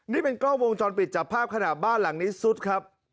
นี่เป็นกล้องวงจรปิดจับภาพขณะบ้านหลังนี้ซุดครับ